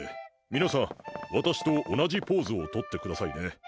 皆さん、私と同じポーズをとってくださいね。